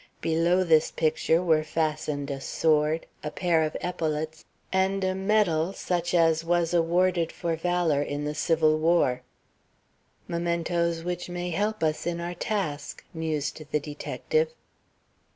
Below this picture were fastened a sword, a pair of epaulettes, and a medal such as was awarded for valor in the civil war. "Mementoes which may help us in our task," mused the detective.